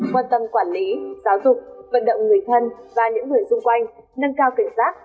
quan tâm quản lý giáo dục vận động người thân và những người xung quanh nâng cao kiểm soát